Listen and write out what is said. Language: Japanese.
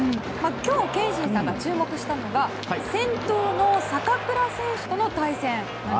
今日、憲伸さんが注目したのは先頭の坂倉選手との対戦。